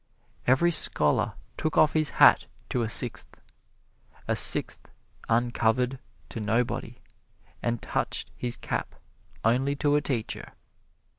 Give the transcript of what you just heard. Every scholar took off his hat to a "Sixth." A Sixth uncovered to nobody, and touched his cap only to a teacher.